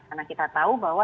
karena kita tahu bahwa